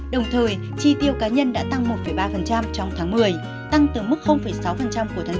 đồng thời chi tiêu cá nhân đã tăng một ba trong tháng một mươi tăng từ mức sáu của tháng chín